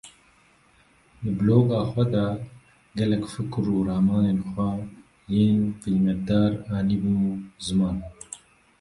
Di bloga xwe de gelek fikr û ramanên xwe yên qîmetdar anîbû ziman.